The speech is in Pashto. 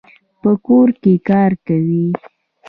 په کور کي کار کوي.